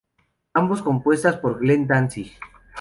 Ambos compuestas por Glenn Danzig.